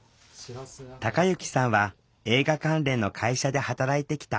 たかゆきさんは映画関連の会社で働いてきた。